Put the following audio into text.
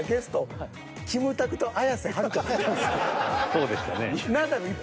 そうでしたね。